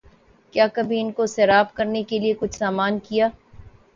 کیا کبھی ان کو سیراب کرنے کیلئے کچھ سامان کیا